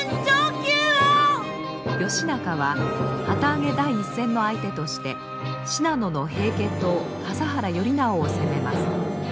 義仲は旗揚げ第１戦の相手として信濃の平家党笠原頼直を攻めます。